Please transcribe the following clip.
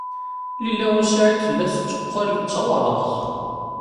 Lila u Saɛid tella tetteqqal d tawraɣt.